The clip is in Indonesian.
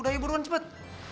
udah ayo buruan cepet